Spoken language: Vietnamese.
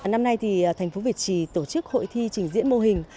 năm nay thì thành phố việt trì tổ chức hội thi trình diễn mô hình